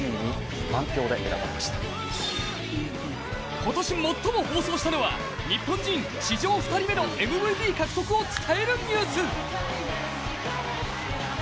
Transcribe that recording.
今年最も放送したのは日本人史上２人目のＭＶＰ獲得を伝えるニュース。